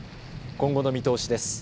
今後の見通しです。